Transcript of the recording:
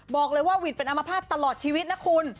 บอกเลยว่าหวิดเป็นอมภาษณ์ตลอดชีวิตนะคุณ